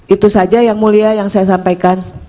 itu saja yang mulia yang saya sampaikan